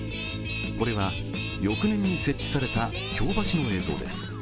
これは翌年に設置された京橋の映像です。